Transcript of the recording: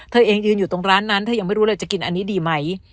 เธอเองยืนอยู่ตรงร้านนั้นเธอยังไม่รู้เลยจะกินอันนี้ดีไหม